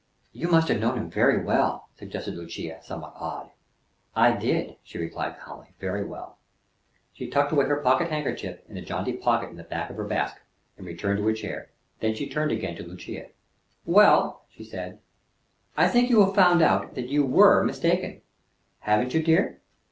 "You must have known him very well," suggested Lucia, somewhat awed. "I did," she replied calmly. "Very well." She tucked away her pocket handkerchief in the jaunty pocket at the back of her basque, and returned to her chair. Then she turned again to Lucia. "Well," she said, "I think you have found out that you were mistaken, haven't you, dear?